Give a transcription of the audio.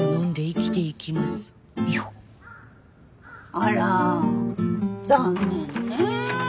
あら残念ね。